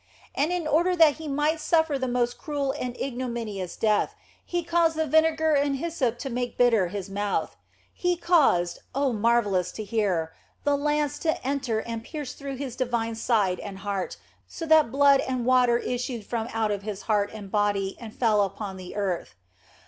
And in order that He might suffer the most cruel and ignominious death, He caused the vinegar and hyssop to make bitter His mouth ; He caused (oh, marvellous to hear !) the lance to enter and pierce through His divine side and heart, so that blood and water issued from out His heart and body and fell upon the earth.